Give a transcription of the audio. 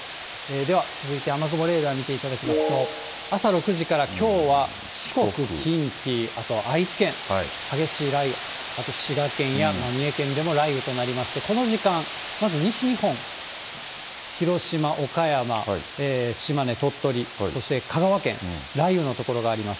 では続いて、雨雲レーダー見ていただきますと、朝６時からきょうは四国、近畿、あと愛知県、激しい雷雨、あと滋賀県や三重県でも雷雨となりまして、この時間、まず西日本、広島、岡山、島根、鳥取、そして香川県、雷雨の所があります。